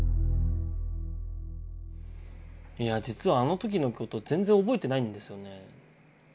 いや実はあの時のこと全然覚えてないんですよね。